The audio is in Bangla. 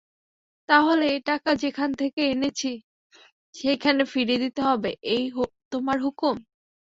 তা হলে এ টাকা যেখান থেকে এনেছি সেইখানেই ফিরিয়ে দিতে হবে এই তোমার হুকুম?